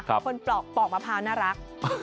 คนปอกมะพร้าวน่ารัก